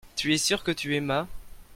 tu es sûr que tu aimas.